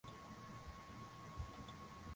Ni jambo la muhimu kwa mikakati kuandaliwa